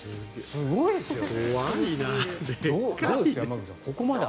すごいですね。